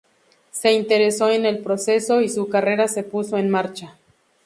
Se interesó en el proceso, y su carrera se puso en marcha.